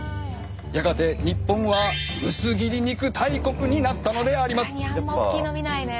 やがて日本は薄切り肉大国になったのであります。